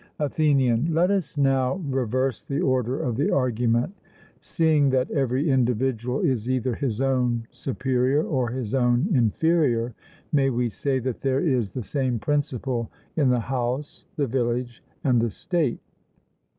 ATHENIAN: Let us now reverse the order of the argument: Seeing that every individual is either his own superior or his own inferior, may we say that there is the same principle in the house, the village, and the state?